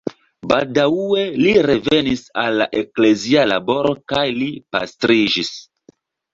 Baldaŭe li revenis al la eklezia laboro kaj li pastriĝis.